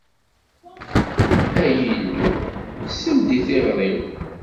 Ay Illu, sel-d i tiɣri-w!